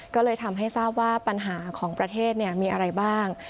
ก็เลยทำให้ทราบว่าปัญหาของประเทศมีอะไรบ้าง